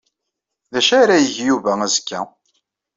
D acu ara yeg Yuba azekka?